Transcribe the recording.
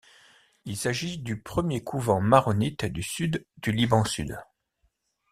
Il s'agit du premier couvent maronite du sud du Liban-sud.